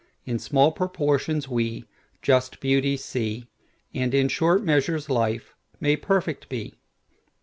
In small proportions we just beauties see; And in short measures life may perfect be.